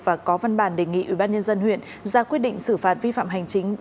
và có văn bản đề nghị ubnd huyện ra quyết định xử phạt vi phạm hành chính